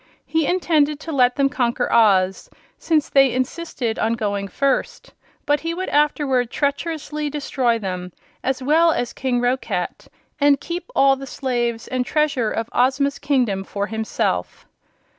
He intended to let them conquer Oz, since they insisted on going first; but he would afterward treacherously destroy them, as well as King Roquat, and keep all the slaves and treasure of Ozma's kingdom for himself.